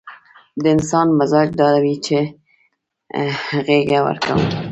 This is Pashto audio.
د انسان مزاج دا وي چې غېږه ورکوم.